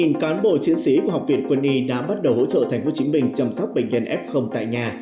một cán bộ chiến sĩ của học viện quân y đã bắt đầu hỗ trợ tp hcm chăm sóc bệnh nhân f tại nhà